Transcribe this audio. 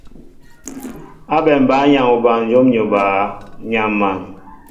Ábɛm bǎyaŋ obanjóm ni obǎ, ǹ yam̀an !